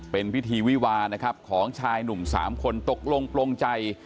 เป็นพิธีวิวานะครับของชายหนุ่มสามคนตกลงโปรงใจ